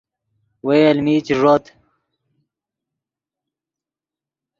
وئے المین چے ݱوت